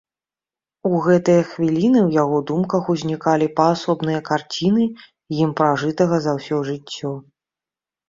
У гэтыя хвіліны ў яго думках узнікалі паасобныя карціны ім пражытага за ўсё жыццё.